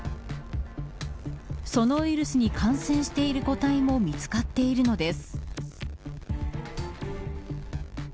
そのウイルスに感染している個体も見つかっているのです。